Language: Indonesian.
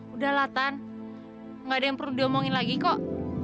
udah latan gak ada yang perlu diomongin lagi kok